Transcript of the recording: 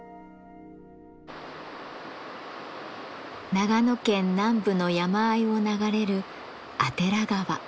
長野県南部の山あいを流れる阿寺川。